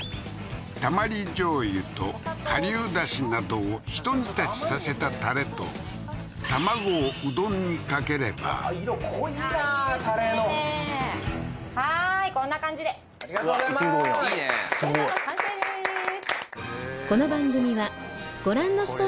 たまり醤油と顆粒だしなどを一煮立ちさせたタレと卵をうどんにかければ色濃いなタレのはーいこんな感じでありがとうございます伊勢うどんの完成でーす